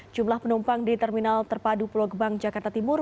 jumlah penumpang di terminal terpadu pulau gebang jakarta timur